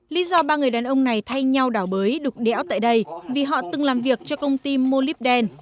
lý do ba người đàn ông này thay nhau đảo bới đục đẽo tại đây vì họ từng làm việc cho công ty mô líp đen